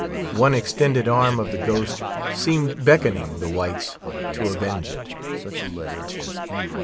One extended arm of the ghost seemed beckoning the whites to avenge it.